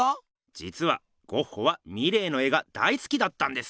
じつはゴッホはミレーの絵が大すきだったんです。